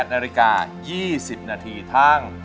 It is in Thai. นาฬิกา๒๐นาทีทาง